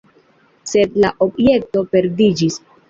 Sed la objekto perdiĝis.